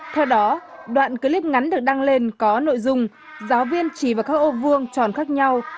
theo đó đoạn clip ngắn được đăng lên có nội dung giáo viên chỉ vào các ô vuông tròn khác nhau